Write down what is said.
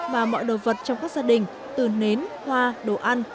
mà mọi đồ vật trong các gia đình từ nến hoa đồ ăn